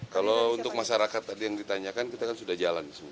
kalau untuk masyarakat tadi yang ditanyakan kita kan sudah jalan semua